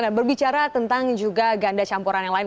dan berbicara tentang juga ganda campuran yang lain